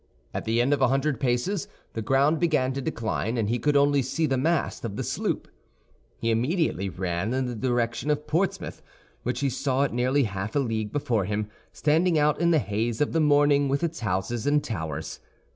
At the end of a hundred paces, the ground began to decline, and he could only see the mast of the sloop. He immediately ran in the direction of Portsmouth, which he saw at nearly half a league before him, standing out in the haze of the morning, with its houses and towers.